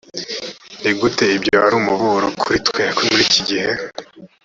ni gute ibyo ari umuburo kuri twe muri iki gihe